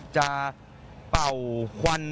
เป่าควัน